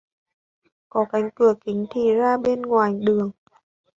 Có cánh cửa kính thì ra bên ngoài đường